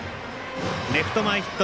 レフト前ヒット。